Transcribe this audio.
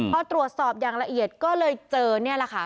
พอตรวจสอบอย่างละเอียดก็เลยเจอนี่แหละค่ะ